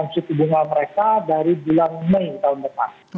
suku bunga mereka dari bulan mei tahun depan